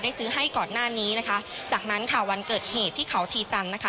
ซื้อให้ก่อนหน้านี้นะคะจากนั้นค่ะวันเกิดเหตุที่เขาชีจันทร์นะคะ